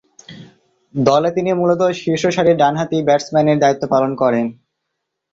দলে তিনি মূলতঃ শীর্ষসারির ডানহাতি ব্যাটসম্যানের দায়িত্ব পালন করেন।